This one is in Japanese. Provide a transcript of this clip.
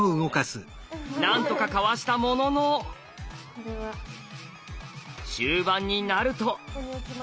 なんとかかわしたものの終盤になると。